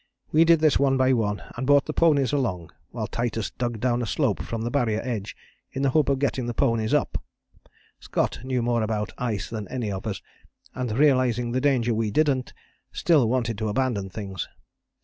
We did this one by one and brought the ponies along, while Titus dug down a slope from the Barrier edge in the hope of getting the ponies up it. Scott knew more about ice than any of us, and realizing the danger we didn't, still wanted to abandon things.